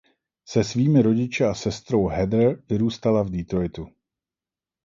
Se svými rodiči a sestrou Heather vyrůstala v Detroitu.